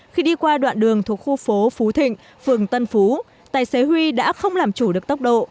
khi đi qua đoạn đường thuộc khu phố phú thịnh phường tân phú tài xế huy đã không làm chủ được tốc độ